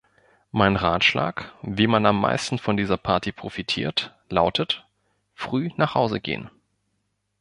Mein Ratschlag, wie man am meisten von dieser Party profitiert, lautet: Früh nach Hause gehen.